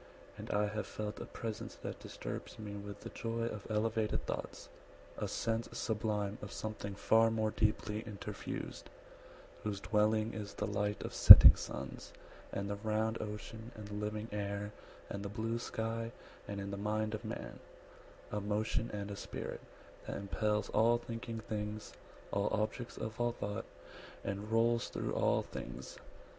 And I have felt A presence that disturbs me with the joy Of elevated thoughts; a sense sublime Of something far more deeply interfused, Whose dwelling is the light of setting suns, And the round ocean and the living air, And the blue sky, and in the mind of man; A motion and a spirit, that impels 100 All thinking things, all objects of all thought, And rolls through all things.